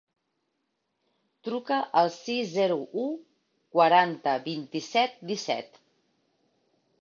Truca al sis, zero, u, quaranta, vint-i-set, disset.